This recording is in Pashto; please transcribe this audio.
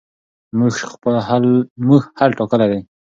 موږ حل ټاکلی دی.